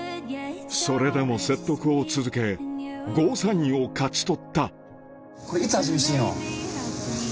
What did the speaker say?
それでも説得を続けゴーサインを勝ち取ったこれいつ味見してみよう？